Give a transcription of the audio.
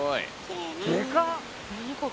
でかっ！